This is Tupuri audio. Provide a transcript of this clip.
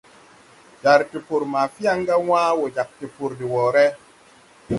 Jar tupuri ma Fianga wãã wo jāg tupuri de woʼré.